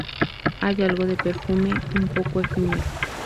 Hay algo de perfume, un poco efímero.